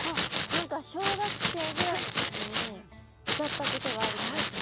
何か小学生ぐらいの時に歌ったことがある気がします。